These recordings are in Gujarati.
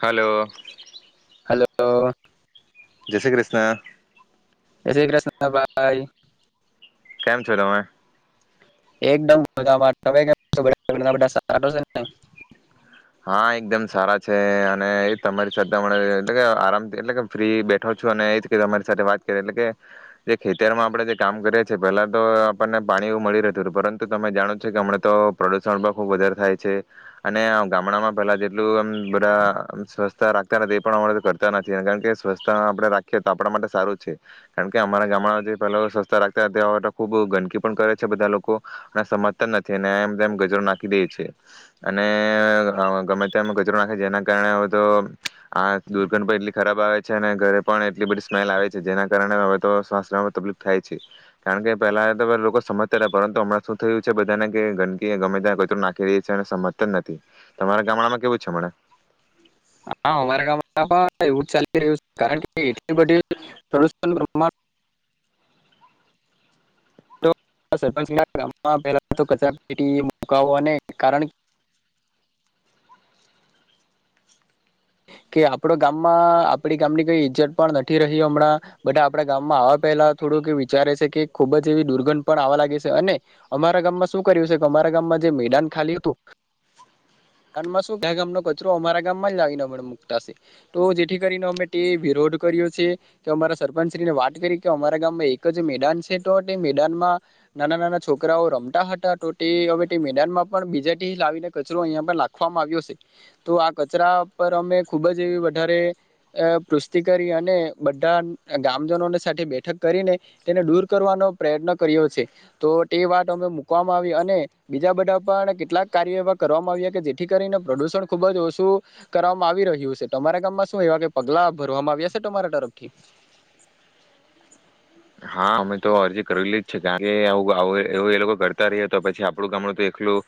હાલો. હાલો. જય શ્રી કૃષ્ણ શ્રી કૃષ્ણ ભાઈ. કેમ છો તમે? એકદમ મજામાં. તમે કેમ છો? ઘરના બધા સારા તો છે ને? હા એકદમ સારા છે અને એ તમારી સાથે હમણાં એટ કે આરામ એટલે કે ફ્રી બેઠો છું અને એ જ કે તમારી સાથે વાત કરીએ. એટલે કે જે ખેતરમાં આપણેે જે કામ કરીએ છેએ પેલા તો આપણને પાણી એવું મળી રહેતું. પરંતુ તમે જાણો છો કે હમણા તો પ્રદુષણ પણ ખુબ વધારે થાય છે અને ગામડામાં પહેલા જેટલું આમ બધા સ્વચ્છતા રાખતા નથી એ પણ હમણાં કરતા નથી કારણ કે સ્વચ્છતા આપણે રાખીએ તો આપણા માટે સારું છે. કારણ કે અમારા ગામડામાં જે પહેલા સ્વચ્છતા રાખતા હતા તે ખૂબ ગંદકી પણ કરે છે બધા લોકો અને સમજતા નથી અને એમ તેમ કચરો નાખી દે છે અને ગમે ત્યાં કચરો નાખે છે જેના કારણે હવે તો આ દુર્ગંધ એટલી ખરાબ આવે છે અને ઘરે પણ એટલી બધી સ્મેલ આવે છે. જેના કારણે હવે તો શ્વાસ તકલીફ થાય છે કારણ કે પહેલા તો લોકો સમજતા હતા પરંતુ હમણાં શું થયું છે બધાને કે ગંદકી ગમે ત્યાં કચરો નાખી રહી છે અને સમજતા જ નથી. તમારા ગામડામાં કેવું છે હમણાં? હા અમારા ગામમાં પણ એવું જ ચાલી રહ્યું છે કારણ કે એટલી બધી [inaudible] કચરાપેટી મુકવો ને કારણ કે આપડ ગામમાં આપડી ગામની કઈ ઈજ્જત પણ નથી રહી હમણાં. બધા આપડા ગામમાં આવવા પહેલા થોડુંક વિચારે છે કે ખુબ જ એવી દુર્ગંધ પણ આવા લાગે છે અને અમારા ગામમાં શું કર્યું છે કે અમારા ગામમાં જે મેદાન ખાલી હતું. મેદાનમાં શું બીજા ગામનો કચરો અમારા ગામમાં જ આવીને તો જેથી કરીને અમે તે વિરોધ કર્યો છે કે અમારા સરપંચ શ્રીને વાત કરી કે અમારા ગામમાં એક જ મેદાન છે, તો તે મેદાનમાં નાના નાના છોકરાઓ રમતા હતા તો તે તે મેદાનમાં પણ બીજાથી લાવીને કચરો અહિયાં પણ લખવામાં આવ્યો છે. તો આ કચરા પર અમે ખૂબ જ એવી વધારે અ પુષ્ટિ કરી અને બધા ગામજનોની સાથે બેઠક કરીને તેને દૂર કરવાનો પ્રયત્ન કર્યો છે. તો તે વાત અમે મૂકવામાં આવી અને બીજા બધા પણ કેટલાક કાર્યો એવા કરવામાં આવ્યા કે જેથી કરીને પ્રદુષણ ખૂબ જ ઓછું કરવામાં આવી રહ્યું છે. તમારા ગામમાં શું એવા કે પગલા ભરવામાં આવ્યા છે તમારા તરફથી? હા અમે તો અરજી કરેલી જ છે કારણ કે આવ એવું એ લોકો કરતા રહીએ તો પછી આપડું ગામડું તો એકલું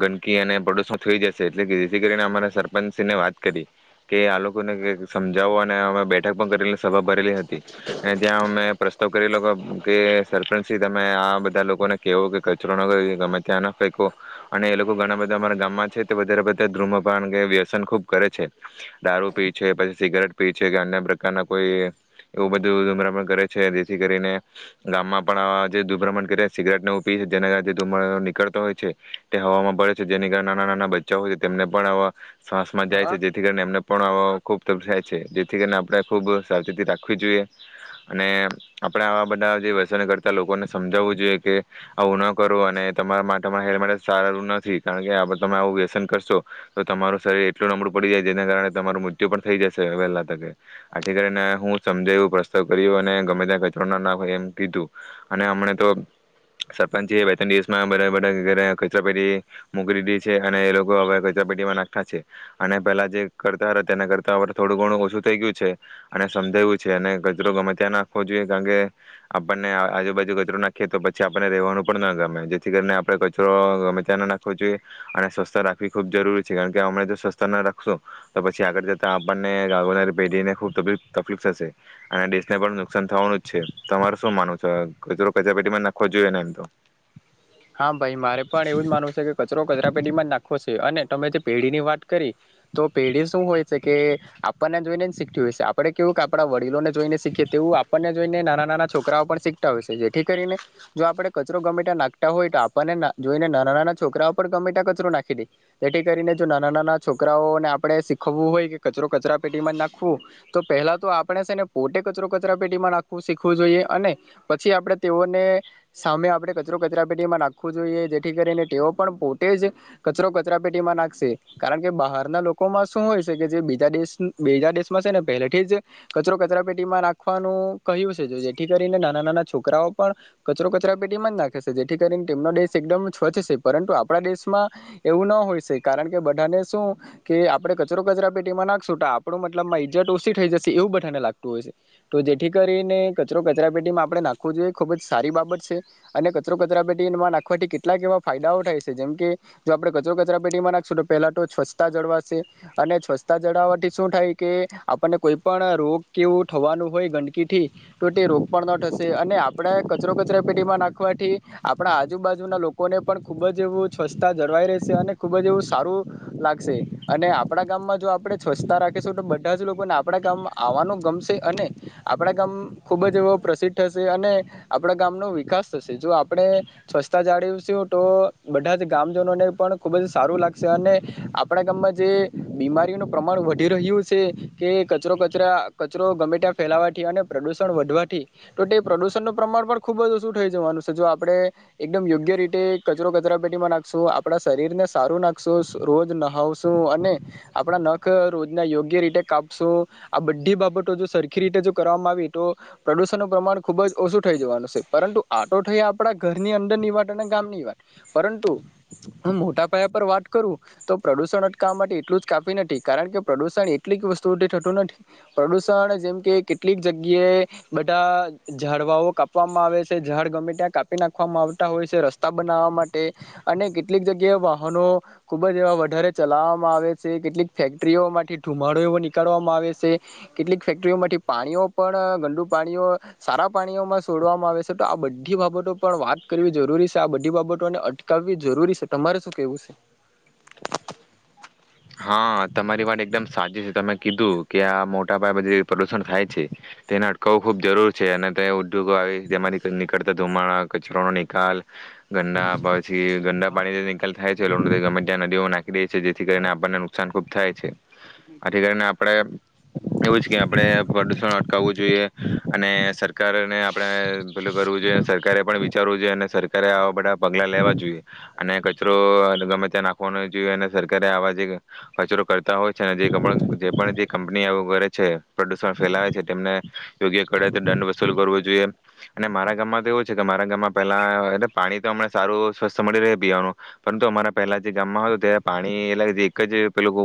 ગંદકી અને પડોશમાં થઈ જશે એટલે જેથી કરીને અમારા સરપંચશ્રીને વાત કરી કે આ લોકોને સમજાવો અને અમે બેઠક પણ કરેલી સભા ભરેલી હતી અને ત્યાં અમે પ્રસ તો કરી કે સરપંચથી તમે આ બધા લોકોને કેહવો કે કચરો ના કર ગમે ત્યાં ના ફેંકો અને એ લોકો ઘણા બધા અમારા ગામમાં છે વધારે ધૂમપાન કે વ્યસન ખુબ કરે છે દારૂ પી છે પછી સિગારેટ પી છે કે અન્ય પ્રકાર ના કોઈએ એવું બધું ધૂમ્રપાન કરે છે. જેથી કરીને ગામમાં પણ આવા જે દુભ્રમણ કર્યા સિગરેટી છે જેના કારણે ધુમાડો નીકળતો હોય છે તે હવામાં પડે છે જેને કારણે નાના નાના બચ્ચા હોય છે તેમને પણ આવા શ્વાસ માં જાય હા છે. જેથી કરીને એમને પણ ખૂબ તપ થાય છે. જેથી કરીને આપણે ખૂબ સાવચેતી રાખવી જોઈએ અને આપણે આવા બધા જે વ્યસન કરતા લોકોને સમજાવવું જોઈએ કે આવું ના કરો અને તમારા માટેરા હેલ્થ માટે સારું નથી. કારણ કે તમે આવું વ્યસન કરશો તો તમારું શરીર એટલું નબળું પડી જાય જેના કારણે તમારું મૃત્યુ પણ થઈ જશે વહેલા તકે. આથી કરી ને હું સમજાયું પ્રસ્તાવ કર્યો અને ગમે ત્યાં ક રો ના એમ કીધું અને હમને તો સરપંચ બે ત્રણ દિવસમાં બધા-બધા ઘરે કચરા પેટી મોક દી છે અને એ લોકો હવે કચરા પેટીમાં નાખતા છે અને પેલા જે કરતા હતા તેને કરતા થોડું ઘણું ઓછું થઈ ગયું છે અને સમજાવું છે અને કચરો ગમે ત્યાં નાખવો જોઈએ કારણ કે આપણને આજુબાજુ કચરો નાખીએ તો પછી આપણને રહેવાનું પણ ના ગમે જેથી કરીને આપણે કચરો ગમે ત્યાં ના નાખવો જોઈએ અને સ્વચ્છતા રાખવી ખૂબ જરૂરી છે. કારણ કે અમે જો સ્વચ્છતા ના રાખશું તો પછી આગળ જતા આપણને આવનાર પેઢીને ખૂબ તકલીફ થશે અને દેશને પણ નુકસાન થવાનું છે. તમારું શું માનવું છે કચરો કચરા પેટીમાં નાખવો જોઈએને એમ તો? હા ભાઈ મારે પણ એવું જ માનવું છે કે કચરો કચરા પેટીમાં જ નાખો છે અને તમે જે પેઢી ની વાત કરી તો પેઢી શું હોય છે કે આપણને જોઈને શીખતી હોય છે આપડે કેવું કે આપણા વડીલોને જોઈને શીખીએ તેવું આપણને જોઈને નાના નાના છોકરાઓ પણ શીખતા હોય છે જેથી કરીને જો આપણે કચરો ગમે ત્યાં નાખ તો આપને જોઈને નાના નાના છોકરાઓ પર ગમે ત્યાં કચરો નાખી દે તેથી કરીને જો નાના નાના છોકરાઓને આપણે શીખવવું હોય કે કચરો કચરા પેટીમાં નાખવું તો પહેલા તો આપણે છે ને પોતે કચરો કચરા પેટીમાં નાખવું શીખવું જોઈએ અને પછી આપણે તેઓને સામે આપણે કચરો કચરા પેટીમાં નાખવું જોઈએ જેથી કરીને તેઓ પણ પોતે જ કચરો કચરા પેટીમાં નાખશે કારણ કે બહારના લોકોમાં શું હોય છે કે જે બીજા દેશ બીજા દેશમાં છે ને પહેલેથી જ કચરો કચરા પેટીમાં નાખવાનું કહ્યું છે જેથી કરીને નાના નાના છોકરાઓ પણ કચરો કચરા પેટીમાં જ નાખ જેથી કરીને તેમનો દેશ એકદમ સ્વચ્છ છે પરંતુ આપણા દેશમાં એવું ના હોય છે કારણ કે બધાને શું કે આપણે કચરો કચરા પેટીમાં નાખશું તો આપણો મતલબમાં ઈજત ઓછી થઈ જશે એવું બધાને લાગતું હોય છે તો જેથી કરીને કચરો કચરા પેટીમાં આપણે નાખવું જોઈએ ખુબ જ સારી બાબત છે અને કચરો કચરાપેટીમાં નાખવાથી કેટલાક એવા ફાયદાઓ થાય છે જેમ કે જો આપણે કચરો કચરા પેટીમાં નાખીશું તો પહેલાં તો સ્વચ્છતા જળવાશે અને સ્વચ્છતા જળવવાથી શું થાય કે આપણને કોઈ પણ રોગ કેવું થવાનું હોય ગંદકીથી તો તે રોગ પણ ન થશે અને આપણે કચરો કચરાપેટીમાં નાખ ખવાથી આપણા આજુબાજુના લોકોને પણ ખૂબ જ એવું સ્વચ્છતા જળવાઈ રહેશે અને ખૂબ જ એવું સારું લાગશે અને આપણા ગામમાં જો આપણે સ્વચ્છતા રાખીશું તો બધા જ લોકોને આપણા ગામમાં આવવાનું ગમશે અને આપણા ગામ ખૂબ જ એવું પ્રસિદ્ધ થશે અને આપણા ગામનો વિકાસ થશે. જો આપણે સ્વચ્છતા જાળવીશું તો બધા જ ગામજનોને પણ ખૂબ જ સારું લાગશે અને આપણા ગામમાં જે બીમારીનું પ્રમાણ વધી રહ્યું છે કે કચરો કચરા કચરો ગમે ત્યાં ફેલાવવાથી અને પ્રદુષણ વધવાથી તો તે પ્રદુષણનું પ્રમાણ પણ ખૂબ જ ઓછું થઈ જવાનું છે. જો આપણે એકદમ યોગ્ય રીતે કચરો કચરા પેટીમાં નાખશું, આપણા શરીરને સારું નાખશું, રોજ નહાવશું અને આપણા નખ રોજને યોગ્ય રીતે કાપશું. આ બધી બાબતો જો સરખી રીતે જો કરવામાં આવી તો પ્રદુષણનું પ્રમાણ ખૂબ જ ઓછું થઈ જવાનું છે. પરંતુ આટો થઈ આપણા ઘરની અંદર ની વાત અને ગામની વાત પરંતુ હું મોટા પાયા પર વાત કરું તો પ્રદુષણ અટકાવવા માટે એટલું જ કાફી નથી. કારણ કે પ્રદુષણ એટલીક વસ્તુઓથી થતું નથી પ્રદુષણ જેમ કે કેટલીક જગ્યાએ બધા ઝાડવાઓ કાપવામાં આવે છ છે, ઝાડ ગમે ત્યાં કાપી નાખવામાં આવતા હોય છે રસ્તા બનાવવા માટે અને કેટલીક જગ્યાએ વાહનો ખુબ જ એવા વધારે ચલાવવામાં આવે છે, કેટલીક ફેક્ટરીઓમાંથી ધુમાડો એવો નીકળવામાં આવે છે, કેટલીક ફેક્ટરીઓમાંથી પાણીઓ પણ ગંડુ પાણીઓ સારા પાણીઓમાં સોડવામાં આવે છ છે તો આ બધી બાબતો પણ વાત કરવી જરૂરી છે. આ બધી બાબતોને અટકાવવી જરૂરી છે તમારે શું કેવું છે? હા તમારી વાત એકદમ સાચી છે. તમે કીધું કે આ મોટા પાયેમાં જે પ્રદૂષણ થાય છે તેને અટકાવવું ખૂબ જરૂર છે અને તે ઉદ્યોગો આવે જેમાંથી નીકળતા ધુમાડા કચરોનો નિકાલ ગંદા પછી ગંડા પાણી નિકાલ થાય છે એ ગમે ત્યાં નદીઓ નાખ દે છે જેથી કરીણે આપ અને નુકસાન ખૂબ થાય. છે. આથી કરીને આપડે એવું જ કે, આપડે પ્રડુષણ અટકાવવું જોઈએ. અને સરકારને આપડે પેલું કરવું જોઈએ. સરકારે પણ વિચ ચારવું જોઈએ. અને સરકારે આવા બધા પગલા લેવા જોઈએ. અને કચરો અ ન ગમે ત્યાં નાખવો ન જોઈએ. અને સરકારે આવા જે કચરો કરતા હોય છે. અને જે ગમન જે પણ જે કંપની આવુ કરે છે, પ્રડુષણ ફેલાવે છે. તેમને યોગ્ય કડે તે દંડ વસૂલ કરવો જોઈએ. અને મારા ગામમાં તો એવું છે કે, મારા ગામમાં પહેલા એટ પાણી તો અમને સારું સ્વસ્થ મળી રહે પીવાનું. પરંતુ, અમારા પહેલા જે ગામમાં હત તે પાણી એટલે જે ક જે પેલું બો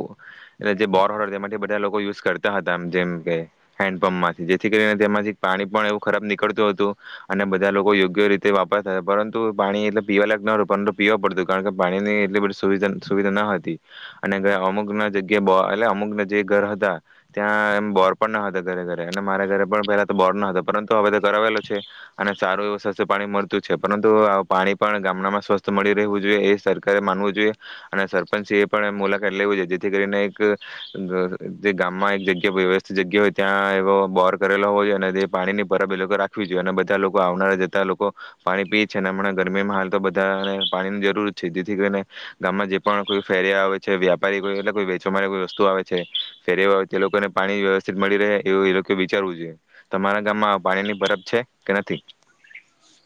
એ જે બોર હોય તેમાંથી બધા લોકો યુઝ કરતા હતા. જેમ કે, હેન્ડપંપમાંથી જેથી કરીને તેમાંથી પાણી પણ એવું ખરાબ નીકળતું હતું. અને બધા લોકો યોગ્ય રીતે વાપરતા હતા. પરંતુ, પાણી એટલે પીવા લયક ન હતું. પરંતુ પીવા પડતું. કારણ કે, પાણીની એટલી બધી સુવિધા સુવિઘા ન હતી. અને કે અમુક ના જગ્યાએ બ એટલે અમુક ના જે ઘર હતા ત્યાં, એમ બોર પણ ના હતા ઘરે ઘરે. અને મારા ઘરે પણ પહેલા તો બોર ન હતો. પરંતુ, હવે તો કરાવેલું છે. અને સારું એવું સ્વસ્થ પાણી મળતું જ છે. પરંતુ અ પાણી પણ ગામડામાં સ્વસ્થ મળી રહેવું જોઈએ. એ સરકારે માનવું જોઈએ, અને સરપંચ સિ એ પણ મુલા હેલ લેવું જોઈએ. જેથી કરીને એક ગ ગ જે ગામમાં એક જગ્યા વ્યવસ્થિ જગ્યા હોય, ત્યાં એવો બોર કરેલો હોવો જોયે અને તે પાણીની પરબ એ લોકો રાખવી જોઈએ. અને બધા લોકો આવનારા જતા લોકો પાણી પી છે. અને હમણાં ગરમીમાં હાલ તો બધાને પાણીન જરૂર છે, જેથી કરીને ગામમાં જે પણ કોઈ ફેરિયા આવે છે. વ્યાપારી કોઈ એટલે કોઈ વેચવા માટે કોઈ વસ્તુ આવે છે. ફેરીયો આવે તે લોકોને પાણી વ્યવસ્થિત મળી રહે. એવું એ લોકો વિચારવું જોઈએ. તમારા ગામમાં પાણીની પરબ છે કે નથી?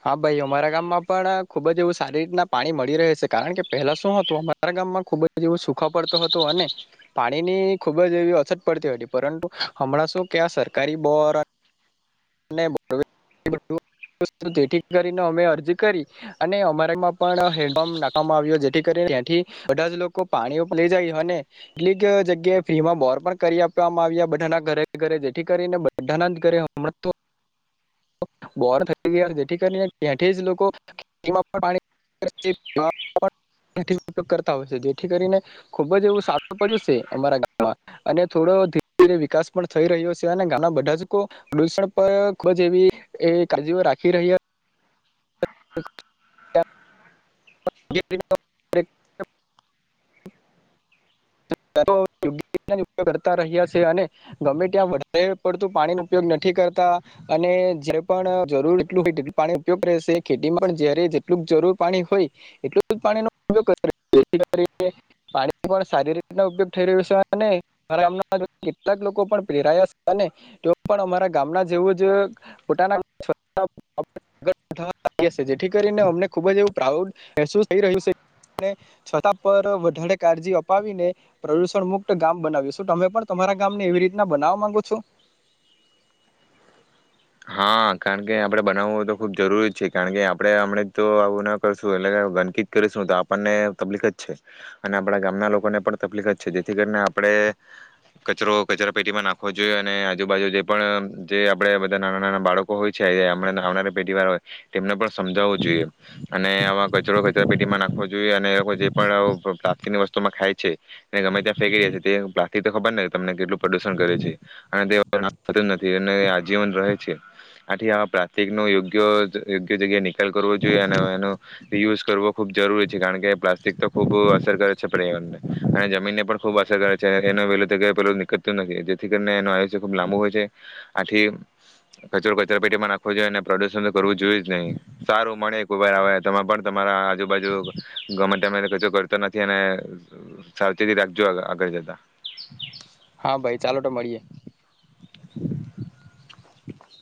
હા ભઈ, અમારા ગામમાં પણ ખુબ જ એવું સારી રીતના પાણી મળી રહે સે. કારણ કે પહેલા શું હતું અમારા ગામમાં ખુબ જ એવું સુખો પડતો હતો. અને પાણીની ખુબ જ એવી અછત પડતી હતી. પરંતુ હમણાં શું ક્યાં સરકારી બોર [unintelligible] ખેતી કરીને અમે અરજી કરી. અને અમારામાં પણ હેન્ડપંપ નાખવામાં આવ્યો. જેથી કરીને ત્યાંથી બધા જ લોકો પાણી ઉપ લઇ જાય. અને ટલીક જગ્યાએ ફ્રી માં બોર પણ કરી આપવામાં આવ્યા. બધાના ઘરે-ઘરે. જેથી કરીને બધાના જ ઘરે [unintelligible] બોર થઈ ગ્યા. જેથી કરીને ત્યાંથી જ લોકો તીમાં પણ પાણી [unintelligible] કરતા હોય છે. જેથી કરીને ખુબ જ એવું સારું પડ્યું સે, અમારા ગામમાં. અને થોડો ધીરે ધીરે વિકાસ પણ થઈ રહ્યો સે. અને ગામના બધા જ કો દુષણ પર ખૂબ જ જેવી એ કાળજીઓ રાખી રહ્યા [unintelligible] [unintelligible] કરતા રહ્યા સે. અને ગમે ત્યાં વધારે પડતું પાણીનો ઉપયોગ નથી કરતા. અને જ્યારે પણ જરૂર એટલું [unintelligible] પાણી ઉપયોગ કરીએ સીએ. ખેતીમાં પણ જ્યારે જેટલું જરૂર પાણી હોય એટલું જ પાણીનો યોગ [unintelligible] પાણી પણ શારીરિક ઉપયોગ થઈ રહ્યો સ, અને [unintelligible] કેટલાક લોકો પણ પ્રેરાયા અને [unintelligible] તેઓ પણ અમારા ગામના જેવું જ પોતાના [unintelligible] સે. જેથી કરીન અમે ખુબ જ એવું પ્રાઉડ મેહસૂસ થઈ રહ્યું સે. અને [unintelligible] છતાં પર વધારે કાળજી અપાવીને પ્રદુષણ મુક્ત ગામ બનાવ્યું. શું તમે પણ, તમારા ગામને એવી રીતના બનાવા માંગો છો? હા, કારણ કે આપડે બનાવવું હોય તો ખુબ જરૂરી છે. કારણ કે, આપણે હમણે તો આવું ના કરશું. એટલે ગંદકી કરીશું. તો આપણને તબલીક જ છે. અને આપડા ગામના લોકોને પણ તપલીક જ છે. જેથી કરીને આપડે કચરો કચરા પેટીમાં નાખવો જોઈએ. અને આજુબાજુ જે પણ જે આપણે બ ત્યાં નાના નાના બાળકો હોય છે. આયા અમણે ન આવનારી પેઢીવાળા હોય. તેમને પણ સમજાવવું જોઈએ. અને આવા કચરો કચરાપેટીમાં નાખવો જોઈએ. અને અવ જે પણ આવો ક ટાકીને વસ્તુમાં ખાય છે, ને ગમે ત્યાં ફેંકી દે છે જે બાકી તો ખબર નઈ તમને કેટલું પ્રડુષણ કરે છે. અને તે [unintelligible] નથી અને આજ જીવન રહે છે. આથી, આ પ્લાસ્ટિકનો યોગ્ય જ યોગ્ય જગ્યાએ નિકાલ કરવો જોઈએ. અન એનો યુઝ કરવો ખુબ જરૂરી છે. કારણ કે પ્લાસ્ટિક તો ખુબ અસર કરે છે, પર્યાવરણને. અને જમીનને પણ ખૂબ અસર કરે છે. એનો વહેલી તકે પેલું નીકળતું નથી. જેથી કરીને એનું આયુષ્ય ખૂબ લાંબુ હોય છે. આથી કચરો કચરા પેટીમાં નાખવો જોઈએ. અને પ્રદુષણ તો કરવું જોઈએ જ નહી. સારું, મળે કો વાર આવે. તમે પણ તમારા આ આજુબાજુ ગમે ટાઈમે કચરો કરતા નથી, અને અ સાવચેતી રાખજો આ આગળ જતા. હા ભાઈ ચાલો તો મળીએ.